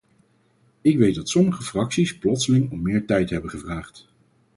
Ik weet dat sommige fracties plotseling om meer tijd hebben gevraagd.